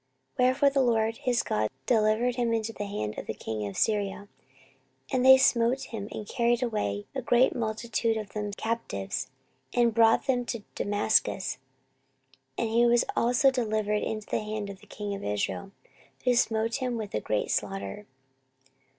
14:028:005 Wherefore the LORD his God delivered him into the hand of the king of Syria; and they smote him, and carried away a great multitude of them captives, and brought them to Damascus. And he was also delivered into the hand of the king of Israel, who smote him with a great slaughter.